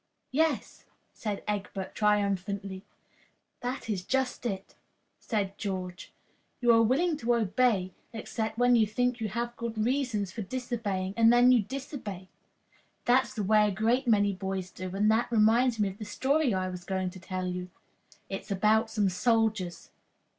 "Yes," said Egbert, triumphantly. "That is just it," said George. "You are willing to obey, except when you think you have good reasons for disobeying, and then you disobey. That's the way a great many boys do, and that reminds me of the story I was going to tell you. It is about some soldiers."